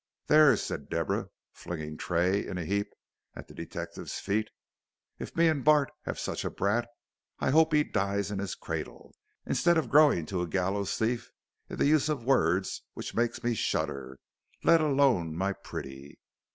"There," said Deborah, flinging Tray in a heap at the detective's feet, "if me an' Bart 'ave sich a brat, I 'ope he dies in his cradle, instead of growing to a galler's thief in th' use of words which make me shudder, let alone my pretty.